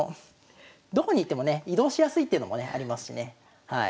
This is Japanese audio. どこに行ってもね移動しやすいっていうのもねありますしね。